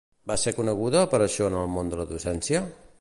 Va ser coneguda per això en el món de la docència?